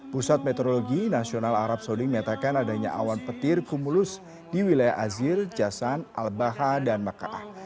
pusat meteorologi nasional arab saudi menyatakan adanya awan petir kumulus di wilayah azir jasan al baha dan makkah